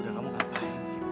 udah kamu gak baik